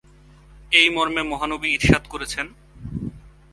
এই মর্মে মহানবী ইরশাদ করেছেন,